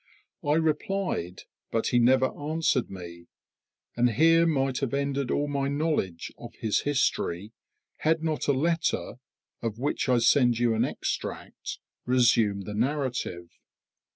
I replied, but he never answered me; and here might have ended all my knowledge of his history, had not a letter, of which I send you an extract, resumed the narrative.